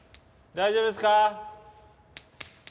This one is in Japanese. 大丈夫ですか？